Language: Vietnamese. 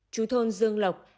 chú thôn dương lộc